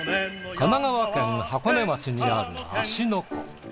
神奈川県箱根町にある芦ノ湖。